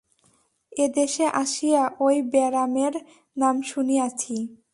এদেশে আসিয়া ঐ ব্যারামের নাম শুনিয়াছি।